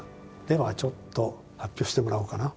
ではちょっと発表してもらおうかな。